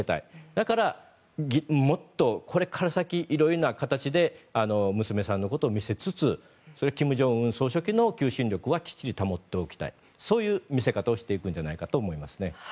だから、もっとこれから先いろいろな形で娘さんのことを見せつつ金正恩総書記の求心力はきっちり保っておきたいそういう見せ方をしていくんじゃないかと思いますね。